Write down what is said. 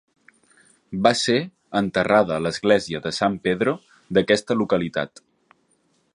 Va ser enterrada a l'església de San Pedro d'aquesta localitat.